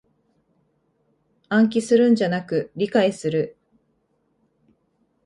暗記するんじゃなく理解する